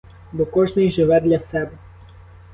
Бо кожний живе для себе.